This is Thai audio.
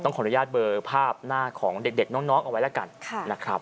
ขออนุญาตเบอร์ภาพหน้าของเด็กน้องเอาไว้แล้วกันนะครับ